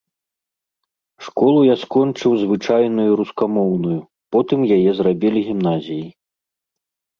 Школу я скончыў звычайную рускамоўную, потым яе зрабілі гімназіяй.